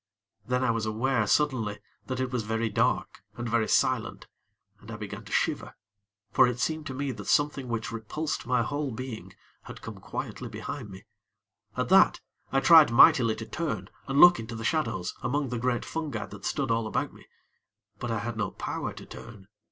Then I was aware suddenly that it was very dark and very silent, and I began to shiver; for it seemed to me that something which repulsed my whole being had come quietly behind me. At that I tried mightily to turn and look into the shadows among the great fungi that stood all about me; but I had no power to turn.